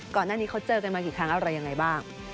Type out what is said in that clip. ก่อนหน้านี้เขาเจอกันมากี่ครั้งอะไรยังไงบ้าง